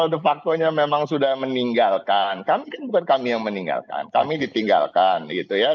de facto nya memang sudah meninggalkan kami kan bukan kami yang meninggalkan kami ditinggalkan gitu ya